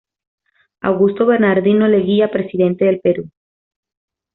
Augusto Bernardino Leguía Presidente del Perú.